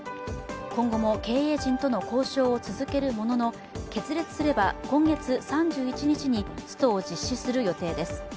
今後も経営陣との交渉を続けるものの決裂すれば、今月３１日にストを実施する予定です。